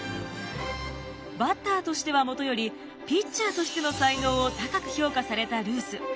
バッターとしてはもとよりピッチャーとしての才能を高く評価されたルース。